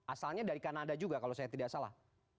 asalnya dari kanada juga kalau saya tidak salah